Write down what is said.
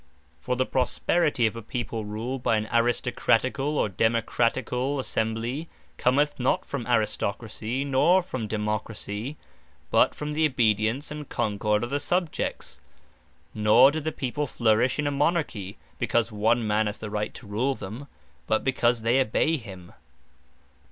For the prosperity of a People ruled by an Aristocraticall, or Democraticall assembly, commeth not from Aristocracy, nor from Democracy, but from the Obedience, and Concord of the Subjects; nor do the people flourish in a Monarchy, because one man has the right to rule them, but because they obey him.